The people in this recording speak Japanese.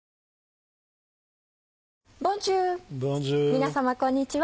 皆様こんにちは。